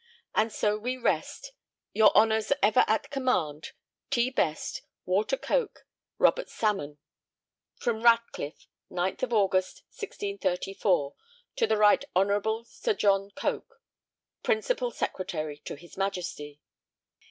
And so we rest, Your honour's ever at command, T. BEST. WALTER COKE. RO. SALMON. From Ratcliff, 9th of August 1634. To the Right Honourable Sir John Coke, principal Secretary to His Majesty.